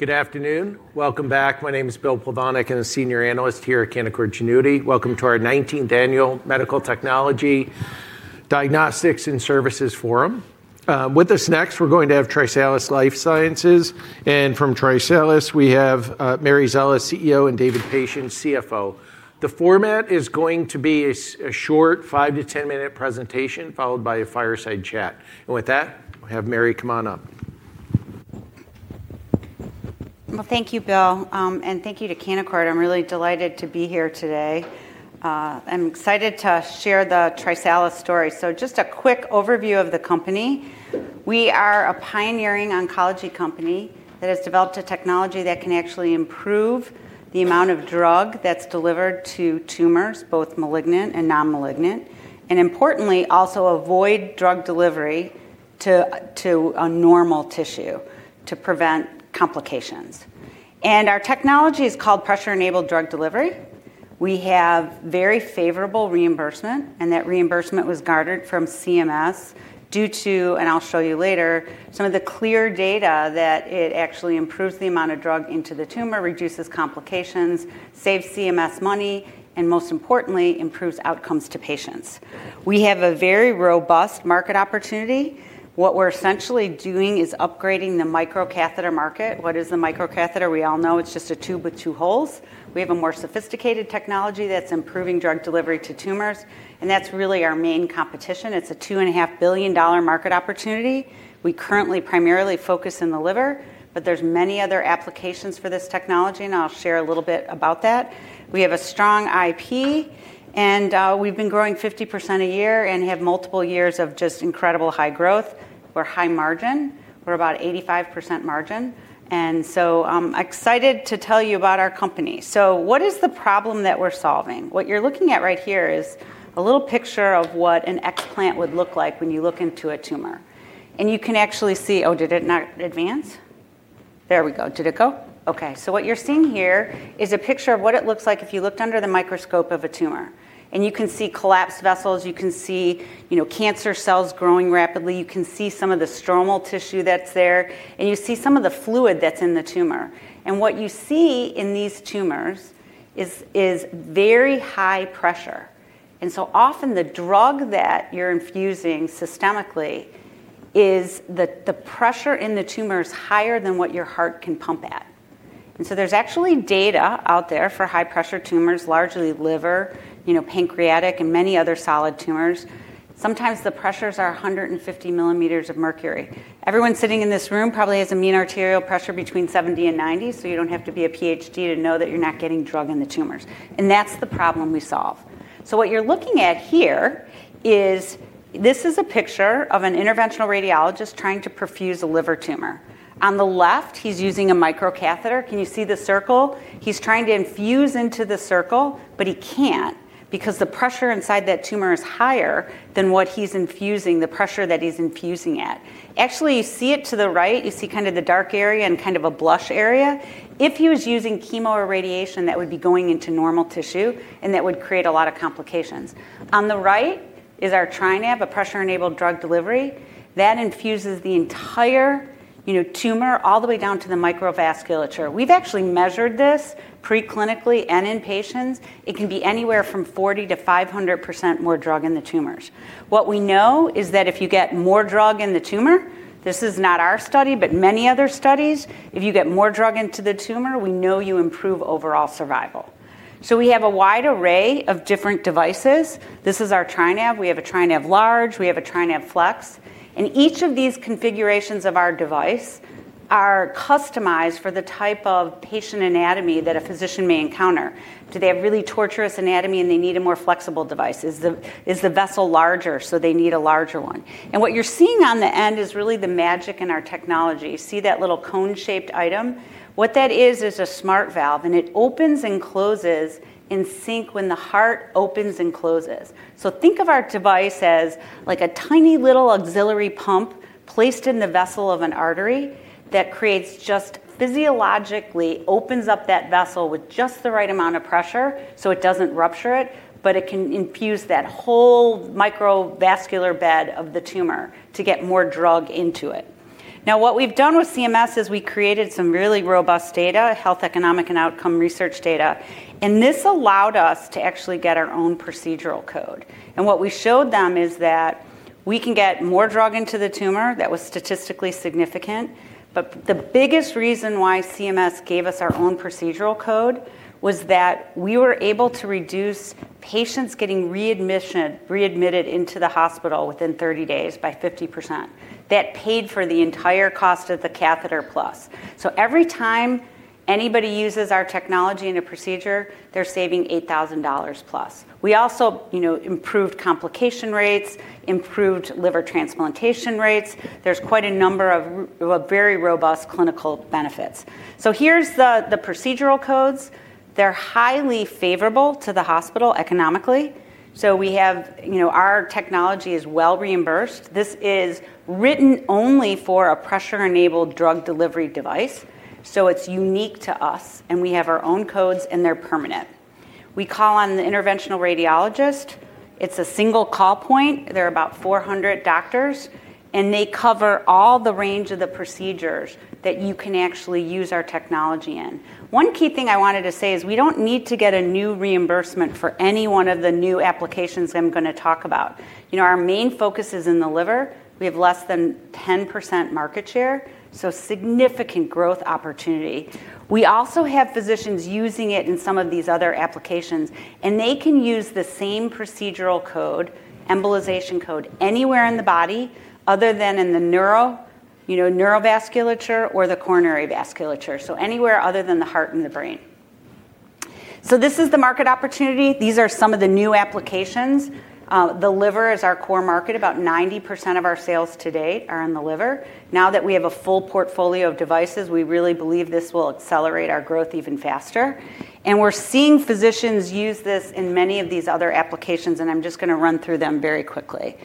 Good afternoon. Welcome back. My name is Bill Pavanik, and I'm a senior analyst here at Canaccord Genuity. Welcome to our 19th Annual Medical Technology Diagnostics and Services Forum. With us next, we're going to have TriSalus Life Sciences. From TriSalus, we have Mary Szela, CEO, and David Patience, CFO. The format is going to be a short five to ten minute presentation followed by a fireside chat. With that, I have Mary, come on up. Thank you, Bill. Thank you to Canaccord. I'm really delighted to be here today. I'm excited to share the TriSalus story. Just a quick overview of the company. We are a pioneering oncology company that has developed a technology that can actually improve the amount of drug that's delivered to tumors, both malignant and non-malignant, and importantly, also avoid drug delivery to normal tissue to prevent complications. Our technology is called pressure-enabled drug delivery. We have very favorable reimbursement, and that reimbursement was garnered from CMS due to, and I'll show you later, some of the clear data that it actually improves the amount of drug into the tumor, reduces complications, saves CMS money, and most importantly, improves outcomes to patients. We have a very robust market opportunity. What we're essentially doing is upgrading the microcatheter market. What is the microcatheter? We all know it's just a tube with two holes. We have a more sophisticated technology that's improving drug delivery to tumors. That's really our main competition. It's a $2.5 billion market opportunity. We currently primarily focus on the liver, but there are many other applications for this technology, and I'll share a little bit about that. We have a strong IP, and we've been growing 50% a year and have multiple years of just incredible high growth. We're high margin. We're about 85% margin. I'm excited to tell you about our company. What is the problem that we're solving? What you're looking at right here is a little picture of what an explant would look like when you look into a tumor. You can actually see, oh, did it not advance? There we go. Did it go? Okay. What you're seeing here is a picture of what it looks like if you looked under the microscope of a tumor. You can see collapsed vessels. You can see cancer cells growing rapidly. You can see some of the stromal tissue that's there. You see some of the fluid that's in the tumor. What you see in these tumors is very high pressure. Often the drug that you're infusing systemically is the pressure in the tumor is higher than what your heart can pump at. There's actually data out there for high pressure tumors, largely liver, pancreatic, and many other solid tumors. Sometimes the pressures are 150 millimeters of mercury. Everyone sitting in this room probably has a mean arterial pressure between 70 and 90, so you don't have to be a PhD to know that you're not getting drug in the tumors. That's the problem we solve. What you're looking at here is this is a picture of an interventional radiologist trying to perfuse a liver tumor. On the left, he's using a microcatheter. Can you see the circle? He's trying to infuse into the circle, but he can't because the pressure inside that tumor is higher than what he's infusing, the pressure that he's infusing at. Actually, you see it to the right. You see kind of the dark area and kind of a blush area. If he was using chemo or radiation, that would be going into normal tissue, and that would create a lot of complications. On the right is our TriNav, a pressure-enabled drug delivery. That infuses the entire tumor all the way down to the microvasculature. We've actually measured this preclinically and in patients. It can be anywhere from 40%-500% more drug in the tumors. What we know is that if you get more drug in the tumor, this is not our study, but many other studies, if you get more drug into the tumor, we know you improve overall survival. We have a wide array of different devices. This is our TriNav. We have a TriNav Large. We have a TriNav Flex. Each of these configurations of our device are customized for the type of patient anatomy that a physician may encounter. Do they have really tortuous anatomy and they need a more flexible device? Is the vessel larger so they need a larger one? What you're seeing on the end is really the magic in our technology. See that little cone-shaped item? What that is, is a SmartValve, and it opens and closes in sync when the heart opens and closes. Think of our device as like a tiny little auxiliary pump placed in the vessel of an artery that physiologically opens up that vessel with just the right amount of pressure so it doesn't rupture it, but it can infuse that whole microvascular bed of the tumor to get more drug into it. What we've done with CMS is we created some really robust data, health economic and outcome research data. This allowed us to actually get our own procedural code. What we showed them is that we can get more drug into the tumor. That was statistically significant. The biggest reason why CMS gave us our own procedural code was that we were able to reduce patients getting readmitted into the hospital within 30 days by 50%. That paid for the entire cost of the catheter plus. Every time anybody uses our technology in a procedure, they're saving $8,000 plus. We also improved complication rates, improved liver transplantation rates. There are quite a number of very robust clinical benefits. Here are the procedural codes. They're highly favorable to the hospital economically. Our technology is well reimbursed. This is written only for a pressure-enabled drug delivery device. It's unique to us, and we have our own codes, and they're permanent. We call on the interventional radiologist. It's a single call point. There are about 400 doctors, and they cover all the range of the procedures that you can actually use our technology in. One key thing I wanted to say is we don't need to get a new reimbursement for any one of the new applications I'm going to talk about. Our main focus is in the liver. We have less than 10% market share, so significant growth opportunity. We also have physicians using it in some of these other applications, and they can use the same procedural code, embolization code, anywhere in the body other than in the neurovasculature or the coronary vasculature, so anywhere other than the heart and the brain. This is the market opportunity. These are some of the new applications. The liver is our core market. About 90% of our sales today are in the liver. Now that we have a full portfolio of devices, we really believe this will accelerate our growth even faster. We're seeing physicians use this in many of these other applications, and I'm just going to run through them very quickly.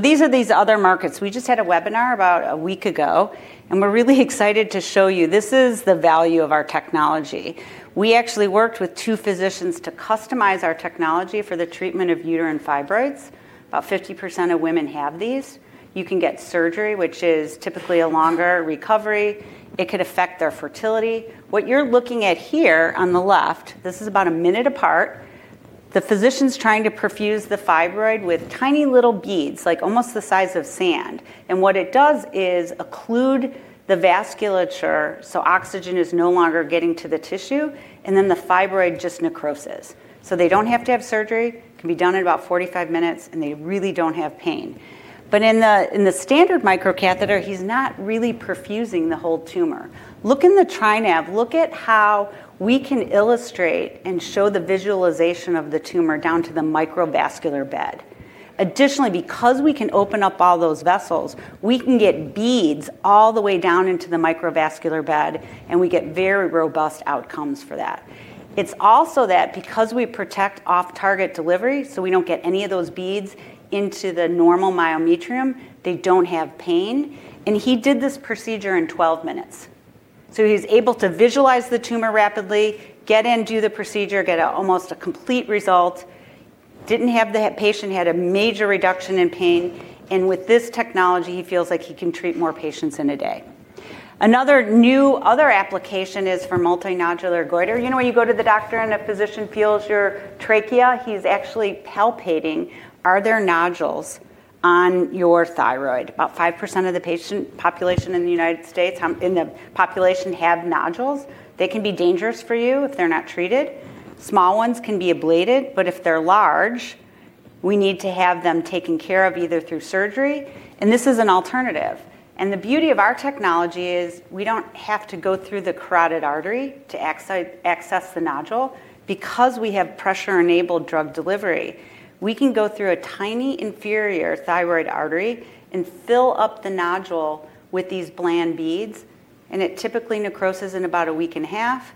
These are these other markets. We just had a webinar about a week ago, and we're really excited to show you. This is the value of our technology. We actually worked with two physicians to customize our technology for the treatment of uterine fibroids. About 50% of women have these. You can get surgery, which is typically a longer recovery. It could affect their fertility. What you're looking at here on the left, this is about a minute apart. The physician's trying to perfuse the fibroid with tiny little beads, like almost the size of sand. What it does is occlude the vasculature so oxygen is no longer getting to the tissue, and then the fibroid just necroses. They don't have to have surgery. It can be done in about 45 minutes, and they really don't have pain. In the standard microcatheter, he's not really perfusing the whole tumor. Look in the TriNav. Look at how we can illustrate and show the visualization of the tumor down to the microvascular bed. Additionally, because we can open up all those vessels, we can get beads all the way down into the microvascular bed, and we get very robust outcomes for that. It's also that because we protect off-target delivery, we don't get any of those beads into the normal myometrium, they don't have pain. He did this procedure in 12 minutes. He was able to visualize the tumor rapidly, get in, do the procedure, get almost a complete result, didn't have the patient had a major reduction in pain. With this technology, he feels like he can treat more patients in a day. Another new other application is for multinodular goiter. You know when you go to the doctor and a physician feels your trachea, he's actually palpating, are there nodules on your thyroid? About 5% of the patient population in the United States in the population have nodules. They can be dangerous for you if they're not treated. Small ones can be ablated, but if they're large, we need to have them taken care of either through surgery. This is an alternative. The beauty of our technology is we don't have to go through the carotid artery to access the nodule. Because we have pressure-enabled drug delivery, we can go through a tiny inferior thyroid artery and fill up the nodule with these bland beads. It typically necroses in about a week and a half.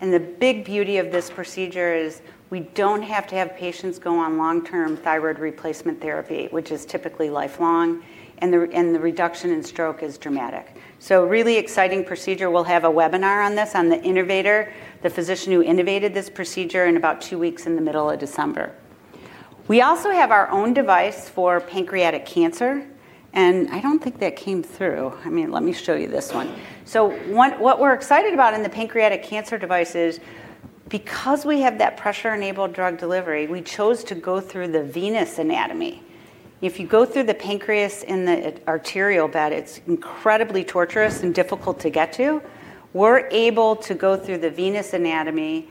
The big beauty of this procedure is we do not have to have patients go on long-term thyroid replacement therapy, which is typically lifelong, and the reduction in stroke is dramatic. Really exciting procedure. We will have a webinar on this, on the innovator, the physician who innovated this procedure, in about two weeks in the middle of December. We also have our own device for pancreatic cancer. I do not think that came through. I mean, let me show you this one. What we are excited about in the pancreatic cancer device is because we have that pressure-enabled drug delivery, we chose to go through the venous anatomy. If you go through the pancreas in the arterial bed, it is incredibly tortuous and difficult to get to. We're able to go through the venous anatomy,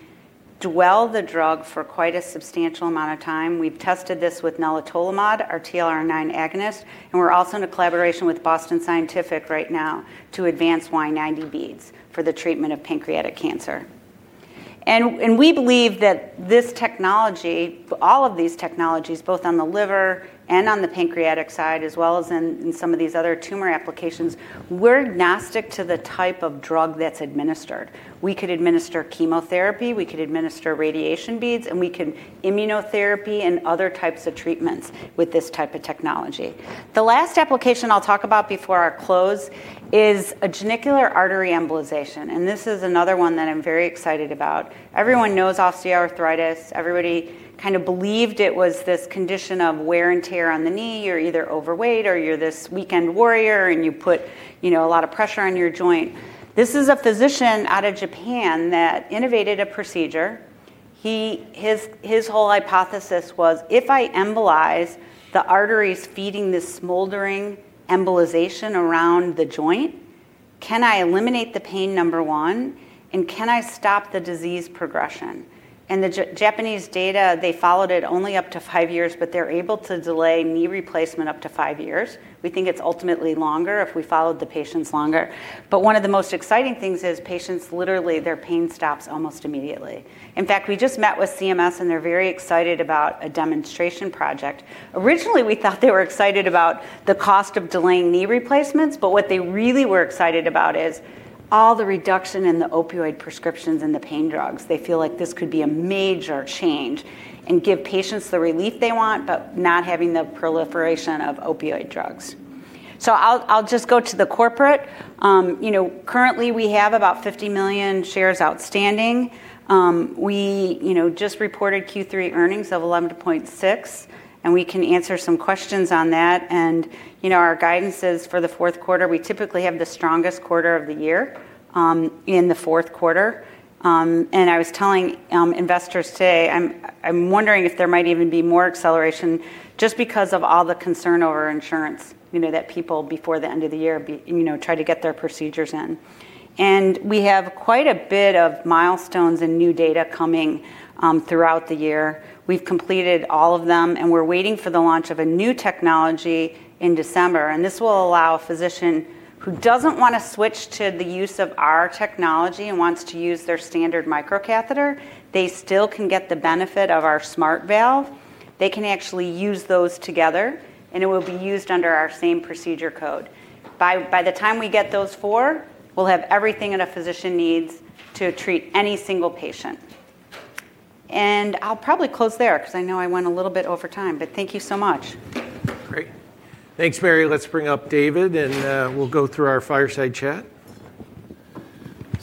dwell the drug for quite a substantial amount of time. We've tested this with nelitolimod, our TLR9 Agonist. We're also in a collaboration with Boston Scientific right now to advance Y90 Beads for the treatment of pancreatic cancer. We believe that this technology, all of these technologies, both on the liver and on the pancreatic side, as well as in some of these other tumor applications, we're agnostic to the type of drug that's administered. We could administer chemotherapy. We could administer radiation beads, and we can immunotherapy and other types of treatments with this type of technology. The last application I'll talk about before I close is a genicular artery embolization. This is another one that I'm very excited about. Everyone knows osteoarthritis. Everybody kind of believed it was this condition of wear and tear on the knee. You're either overweight or you're this weekend warrior, and you put a lot of pressure on your joint. This is a physician out of Japan that innovated a procedure. His whole hypothesis was, if I embolize the arteries feeding this smoldering embolization around the joint, can I eliminate the pain, number one, and can I stop the disease progression? The Japanese data, they followed it only up to five years, but they're able to delay knee replacement up to five years. We think it's ultimately longer if we followed the patients longer. One of the most exciting things is patients literally, their pain stops almost immediately. In fact, we just met with CMS, and they're very excited about a demonstration project. Originally, we thought they were excited about the cost of delaying knee replacements, but what they really were excited about is all the reduction in the opioid prescriptions and the pain drugs. They feel like this could be a major change and give patients the relief they want but not having the proliferation of opioid drugs. I'll just go to the corporate. Currently, we have about 50 million shares outstanding. We just reported Q3 earnings of $11.6 million, and we can answer some questions on that. Our guidance is for the fourth quarter. We typically have the strongest quarter of the year in the fourth quarter. I was telling investors today, I'm wondering if there might even be more acceleration just because of all the concern over insurance that people before the end of the year try to get their procedures in. We have quite a bit of milestones and new data coming throughout the year. We've completed all of them, and we're waiting for the launch of a new technology in December. This will allow a physician who doesn't want to switch to the use of our technology and wants to use their standard microcatheter, they still can get the benefit of our SmartValve. They can actually use those together, and it will be used under our same procedure code. By the time we get those four, we'll have everything a physician needs to treat any single patient. I'll probably close there because I know I went a little bit over time, but thank you so much. Great. Thanks, Mary. Let's bring up David, and we'll go through our fireside chat.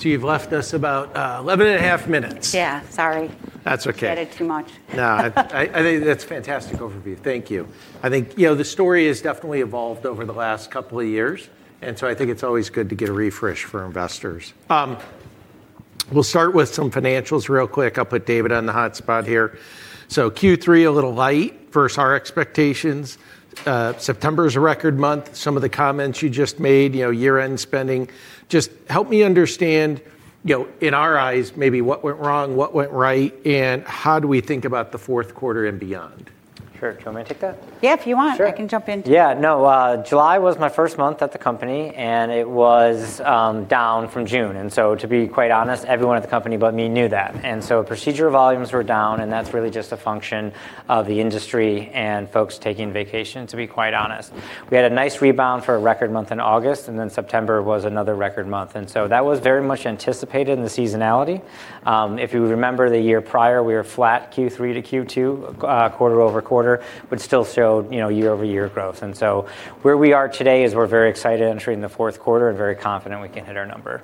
You've left us about 11 and a half minutes. Yeah, sorry. That's okay. I added too much. No, I think that's a fantastic overview. Thank you. I think the story has definitely evolved over the last couple of years, and so I think it's always good to get a refresh for investors. We'll start with some financials real quick. I'll put David on the hotspot here. Q3, a little light versus our expectations. September is a record month. Some of the comments you just made, year-end spending. Just help me understand, in our eyes, maybe what went wrong, what went right, and how do we think about the fourth quarter and beyond? Sure. Do you want me to take that? Yeah, if you want. I can jump in. Yeah. No, July was my first month at the company, and it was down from June. And so to be quite honest, everyone at the company but me knew that. Procedure volumes were down, and that's really just a function of the industry and folks taking vacation, to be quite honest. We had a nice rebound for a record month in August, and then September was another record month. That was very much anticipated in the seasonality. If you remember the year prior, we were flat Q3 to Q2, quarter over quarter, but still showed year-over-year growth. Where we are today is we're very excited entering the fourth quarter and very confident we can hit our number.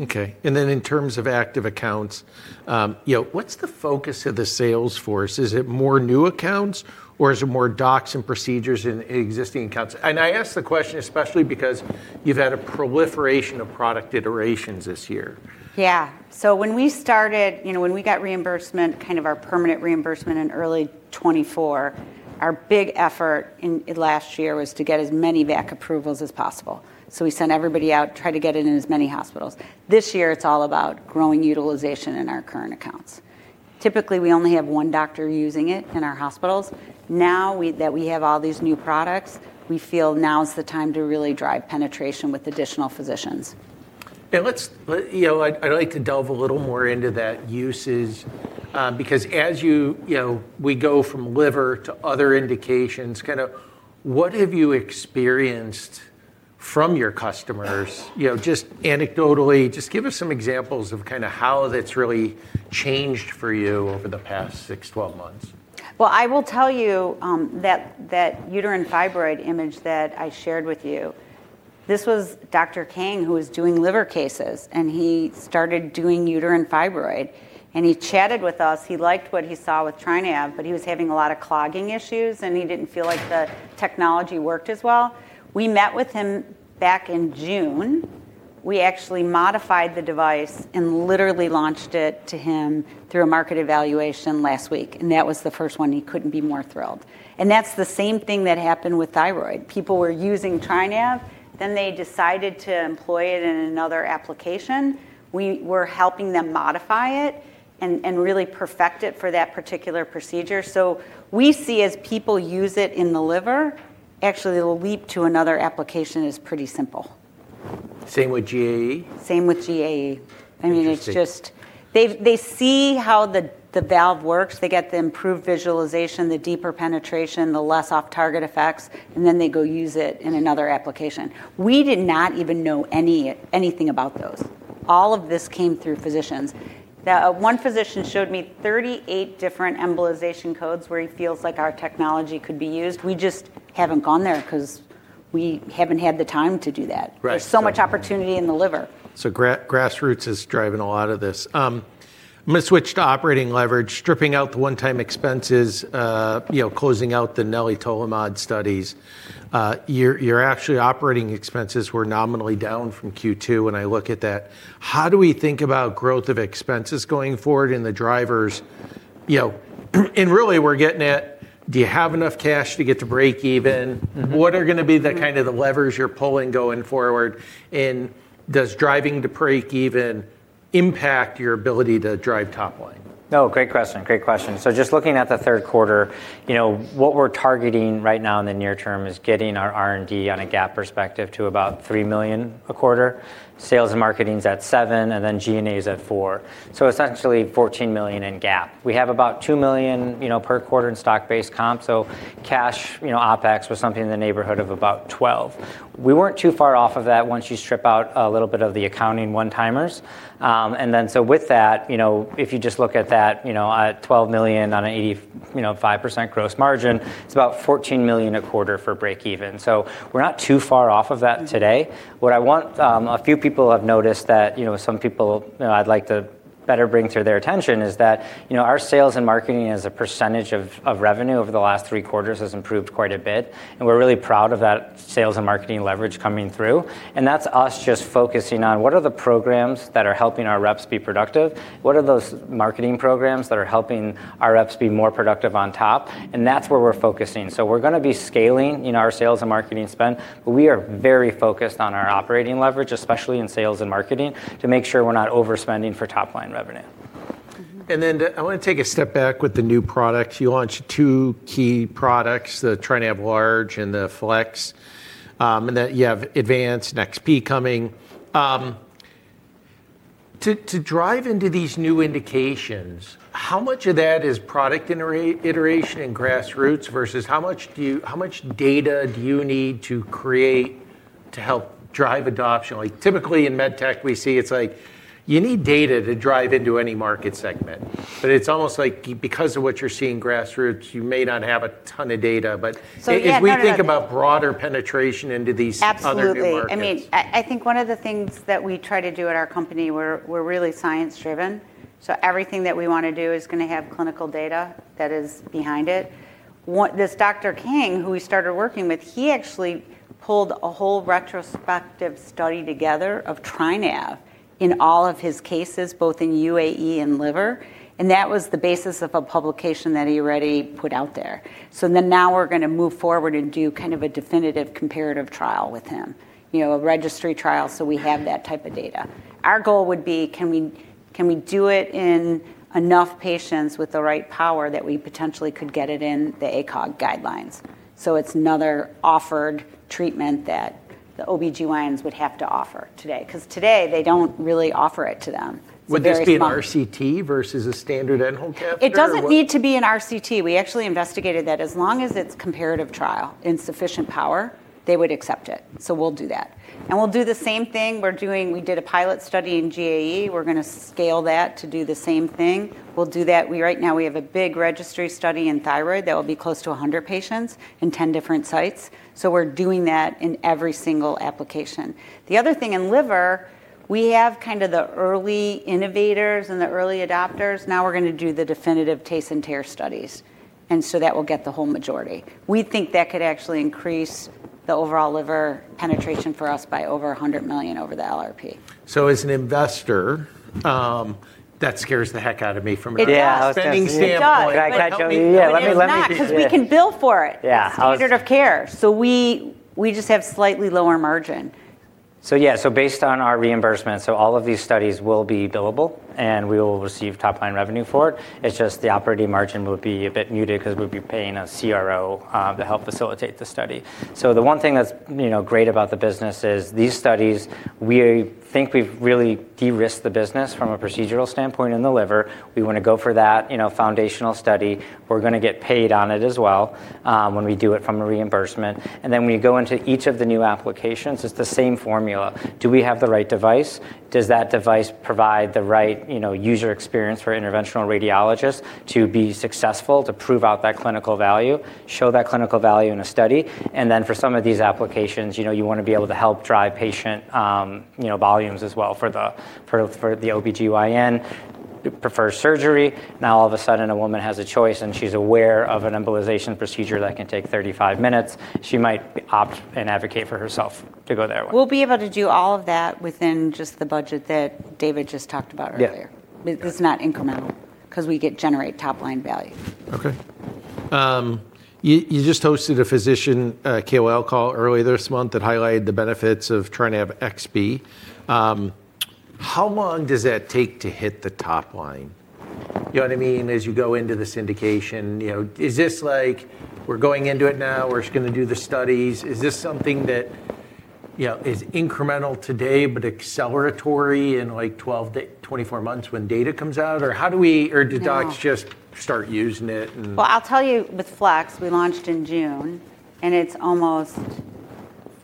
Okay. In terms of active accounts, what's the focus of the sales force? Is it more new accounts, or is it more docs and procedures and existing accounts? I ask the question especially because you've had a proliferation of product iterations this year. Yeah. When we started, when we got reimbursement, kind of our permanent reimbursement in early 2024, our big effort last year was to get as many VAC approvals as possible. We sent everybody out, tried to get it in as many hospitals. This year, it's all about growing utilization in our current accounts. Typically, we only have one doctor using it in our hospitals. Now that we have all these new products, we feel now is the time to really drive penetration with additional physicians. I'd like to delve a little more into that uses because as we go from liver to other indications, kind of what have you experienced from your customers? Just anecdotally, just give us some examples of kind of how that's really changed for you over the past 6, 12 months. I will tell you that uterine fibroid image that I shared with you, this was Dr. Kang who was doing liver cases, and he started doing uterine fibroid. He chatted with us. He liked what he saw with TriNav, but he was having a lot of clogging issues, and he did not feel like the technology worked as well. We met with him back in June. We actually modified the device and literally launched it to him through a market evaluation last week. That was the first one. He could not be more thrilled. That is the same thing that happened with thyroid. People were using TriNav, then they decided to employ it in another application. We were helping them modify it and really perfect it for that particular procedure. We see as people use it in the liver, actually the leap to another application is pretty simple. Same with GAE? Same with GAE. I mean, it's just they see how the valve works. They get the improved visualization, the deeper penetration, the less off-target effects, and then they go use it in another application. We did not even know anything about those. All of this came through physicians. One physician showed me 38 different embolization codes where he feels like our technology could be used. We just haven't gone there because we haven't had the time to do that. There's so much opportunity in the liver. Grassroots is driving a lot of this. I'm going to switch to operating leverage, stripping out the one-time expenses, closing out the nellitolamod studies. Your actual operating expenses were nominally down from Q2 when I look at that. How do we think about growth of expenses going forward in the drivers? Really, we're getting at, do you have enough cash to get to break even? What are going to be the kind of the levers you're pulling going forward? Does driving to break even impact your ability to drive top line? Great question. Great question. Just looking at the third quarter, what we're targeting right now in the near term is getting our R&D on a GAAP perspective to about $3 million a quarter. Sales and marketing's at $7 million, and then G&A's at $4 million. Essentially $14 million in GAAP. We have about $2 million per quarter in stock-based comp. Cash OpEx was something in the neighborhood of about $12 million. We weren't too far off of that once you strip out a little bit of the accounting one-timers. With that, if you just look at that at $12 million on an 85% gross margin, it's about $14 million a quarter for break even. We're not too far off of that today. What I want a few people have noticed that some people I'd like to better bring to their attention is that our sales and marketing as a percentage of revenue over the last three quarters has improved quite a bit. We're really proud of that sales and marketing leverage coming through. That's us just focusing on what are the programs that are helping our reps be productive? What are those marketing programs that are helping our reps be more productive on top? That's where we're focusing. We're going to be scaling our sales and marketing spend. We are very focused on our operating leverage, especially in sales and marketing, to make sure we're not overspending for top-line revenue. I want to take a step back with the new products. You launched two key products, the TriNav Large and the Flex. You have Advanced, Next P coming. To drive into these new indications, how much of that is product iteration and grassroots versus how much data do you need to create to help drive adoption? Typically in med tech, we see it's like you need data to drive into any market segment. It's almost like because of what you're seeing grassroots, you may not have a ton of data. If we think about broader penetration into these other markets. Absolutely. I mean, I think one of the things that we try to do at our company, we're really science-driven. Everything that we want to do is going to have clinical data that is behind it. This Dr. Kang, who we started working with, he actually pulled a whole retrospective study together of trying to have in all of his cases, both in UAE and liver. That was the basis of a publication that he already put out there. Now we're going to move forward and do kind of a definitive comparative trial with him, a registry trial so we have that type of data. Our goal would be, can we do it in enough patients with the right power that we potentially could get it in the ACOG guidelines? It is another offered treatment that the OB-GYNs would have to offer today because today they do not really offer it to them. Would this be an RCT versus a standard NHOLCAP? It doesn't need to be an RCT. We actually investigated that. As long as it's a comparative trial and sufficient power, they would accept it. We'll do that. We'll do the same thing. We did a pilot study in GAE. We're going to scale that to do the same thing. We'll do that. Right now, we have a big registry study in thyroid that will be close to 100 patients in 10 different sites. We're doing that in every single application. The other thing in liver, we have kind of the early innovators and the early adopters. Now we're going to do the definitive taste and tear studies. That will get the whole majority. We think that could actually increase the overall liver penetration for us by over $100 million over the LRP. As an investor, that scares the heck out of me from a spending standpoint. Yeah, because we can bill for it. Yeah, standard of care. We just have slightly lower margin. Yeah, based on our reimbursement, all of these studies will be billable, and we will receive top-line revenue for it. It's just the operating margin will be a bit muted because we'll be paying a CRO to help facilitate the study. The one thing that's great about the business is these studies, we think we've really de-risked the business from a procedural standpoint in the liver. We want to go for that foundational study. We're going to get paid on it as well when we do it from a reimbursement. When you go into each of the new applications, it's the same formula. Do we have the right device? Does that device provide the right user experience for interventional radiologists to be successful, to prove out that clinical value, show that clinical value in a study? For some of these applications, you want to be able to help drive patient volumes as well for the OB-GYN. Prefer surgery. Now, all of a sudden, a woman has a choice, and she's aware of an embolization procedure that can take 35 minutes. She might opt and advocate for herself to go that way. We'll be able to do all of that within just the budget that David just talked about earlier. It's not incremental because we generate top-line value. Okay. You just hosted a physician KOL call earlier this month that highlighted the benefits of TriNav XP. How long does that take to hit the top line? You know what I mean? As you go into this indication, is this like, we're going into it now. We're just going to do the studies. Is this something that is incremental today but acceleratory in like 12-24 months when data comes out? Or how do we or do docs just start using it? I'll tell you with Flex, we launched in June, and it's almost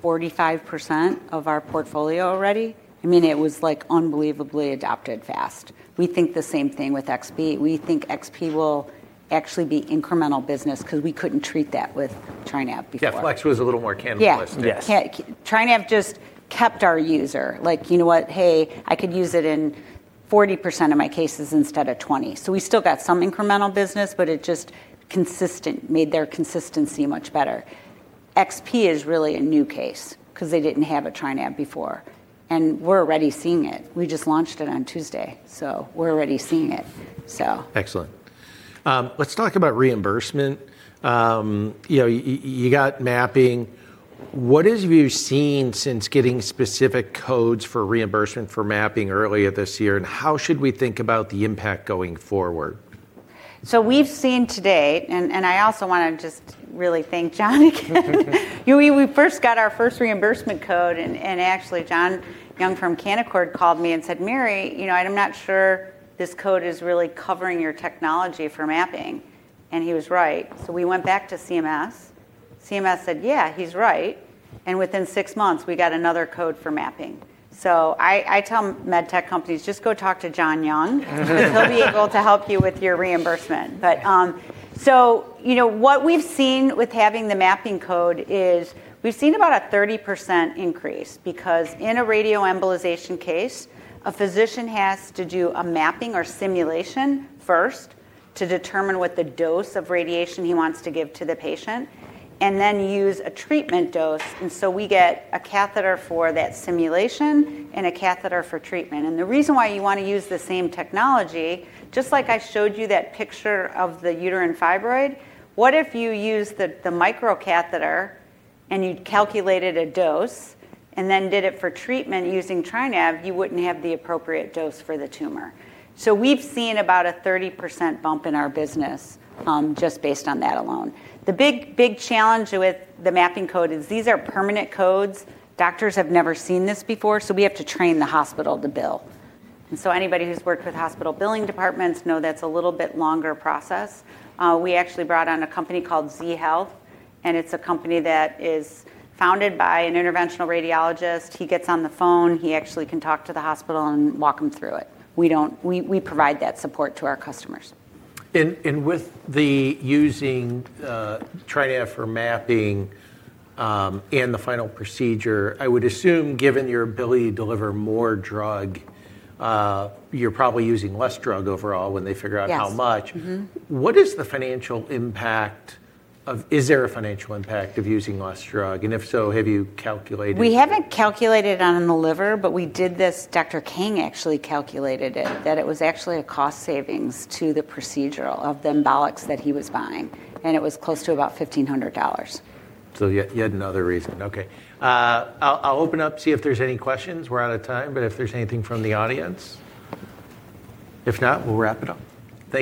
45% of our portfolio already. I mean, it was like unbelievably adopted fast. We think the same thing with XP. We think XP will actually be incremental business because we couldn't treat that with TriNav before. Yeah, Flex was a little more cannibalistic. Yeah. TriNav just kept our user. Like, you know what? Hey, I could use it in 40% of my cases instead of 20. So we still got some incremental business, but it just made their consistency much better. XP is really a new case because they didn't have a TriNav before. We're already seeing it. We just launched it on Tuesday. We're already seeing it, so. Excellent. Let's talk about reimbursement. You got mapping. What have you seen since getting specific codes for reimbursement for mapping earlier this year? How should we think about the impact going forward? We've seen today, and I also want to just really thank John again. We first got our first reimbursement code, and actually, John Young from Canaccord called me and said, "Mary, I'm not sure this code is really covering your technology for mapping." He was right. We went back to CMS. CMS said, "Yeah, he's right." Within six months, we got another code for mapping. I tell med tech companies, just go talk to John Young, and he'll be able to help you with your reimbursement. What we've seen with having the mapping code is we've seen about a 30% increase because in a radioembolization case, a physician has to do a mapping or simulation first to determine what the dose of radiation he wants to give to the patient and then use a treatment dose. We get a catheter for that simulation and a catheter for treatment. The reason why you want to use the same technology, just like I showed you that picture of the uterine fibroid, what if you use the microcatheter and you calculated a dose and then did it for treatment using TriNav? You wouldn't have the appropriate dose for the tumor. We've seen about a 30% bump in our business just based on that alone. The big challenge with the mapping code is these are permanent codes. Doctors have never seen this before, so we have to train the hospital to bill. Anybody who's worked with hospital billing departments knows that's a little bit longer process. We actually brought on a company called Z-Health, and it's a company that is founded by an interventional radiologist. He gets on the phone. He actually can talk to the hospital and walk them through it. We provide that support to our customers. With the using TriNav for mapping and the final procedure, I would assume, given your ability to deliver more drug, you're probably using less drug overall when they figure out how much. What is the financial impact of is there a financial impact of using less drug? And if so, have you calculated? We haven't calculated on the liver, but we did this. Dr. Kang actually calculated it, that it was actually a cost savings to the procedure of the embolics that he was buying. And it was close to about $1,500. So you had another reason. Okay. I'll open up, see if there's any questions. We're out of time, but if there's anything from the audience. If not, we'll wrap it up.